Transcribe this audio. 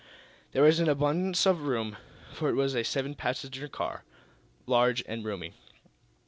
There was an abundance of room, for it was a seven passenger car, large and roomy.